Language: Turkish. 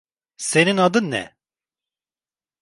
Senin adın ne?